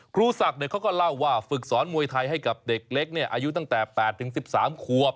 ครูศักดิ์เขาก็เล่าว่าฝึกสอนมวยไทยให้กับเด็กเล็กอายุตั้งแต่๘๑๓ควบ